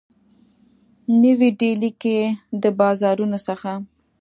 نوي ډیلي کي د بازارونو څخه